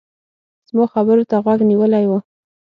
زما خبرو ته غوږ نيولی و.